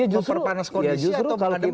atau memperpanaskan kondisi atau menghademkan